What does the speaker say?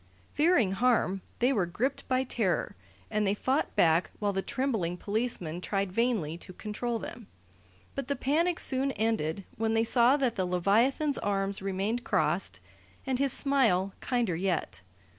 Fearing harm, they were gripped by terror, and they fought back while the trembling policemen tried vainly to control them; but the panic soon ended when they saw that the leviathan's arms remained crossed and his smile kinder yet.